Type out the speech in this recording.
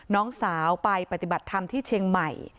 น้องสาวไปปฏิบัติธรรมที่เชียงใหม่